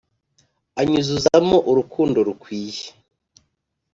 Anyuzuzamo urukundo rukwiye